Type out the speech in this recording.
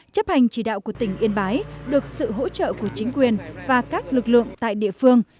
chấp hành chỉ đạo của tỉnh yên bái được sự hỗ trợ của chính quyền và các lực lượng tại địa phương